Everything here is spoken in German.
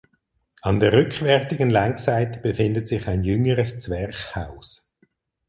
An der rückwärtigen Längsseite befindet sich ein jüngeres Zwerchhaus.